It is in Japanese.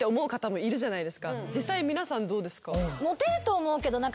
実際皆さんどうですか？